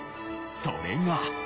それが。